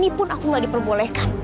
ini pun aku gak diperbolehkan